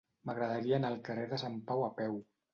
M'agradaria anar al carrer de Sant Pau a peu.